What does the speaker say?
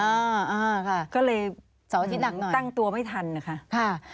อ่าอ่าค่ะก็เลยเสาร์อาทิตย์หลังตั้งตัวไม่ทันนะคะค่ะ